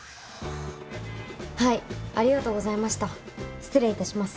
はいありがとうございました失礼いたします。